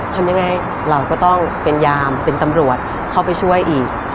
ทำยังไงเราก็ต้องเป็นยามเป็นตำรวจเข้าไปช่วยอีก